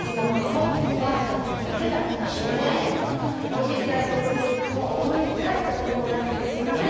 おじいちゃんのこといつも思い返したこともなくてすいません。